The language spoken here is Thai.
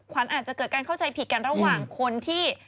อาจจะเกิดการเข้าใจผิดกันระหว่างคนที่